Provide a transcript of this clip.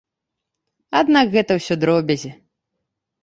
Аднак гэта ўсё дробязі.